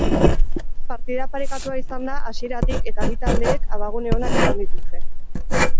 Partida parekatua izan da hasieratik eta bi taldeek abagune onak izan dituzte.